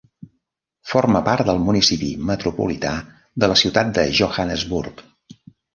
Forma part del Municipi Metropolità de la Ciutat de Johannesburg.